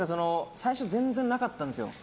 最初全然なかったんですよ。